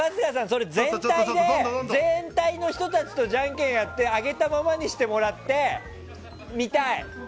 それ全体の人たちとじゃんけんやって上げたままにしてもらって見たい。